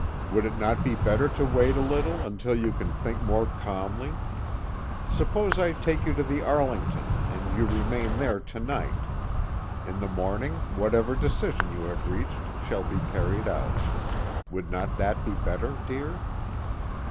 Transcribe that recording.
Would it not be better to wait a little, until you can think more calmly? Suppose I take you to the Arlington, and you remain there to night. In the morning, whatever decision you have reached shall be carried out. Would not that be better, dear?"